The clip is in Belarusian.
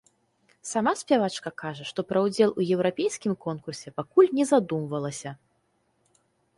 Сама спявачка кажа, што пра ўдзел у еўрапейскім конкурсе пакуль не задумвалася.